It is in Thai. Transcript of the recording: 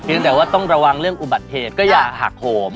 ยังแต่ว่าต้องระวังเรื่องอุบัติเหตุก็อย่าหักโหม